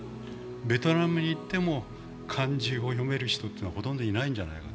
ベトナムに行っても漢字を読める人はほとんどいないんじゃないか。